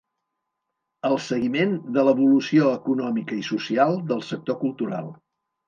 El seguiment de l'evolució econòmica i social del sector cultural.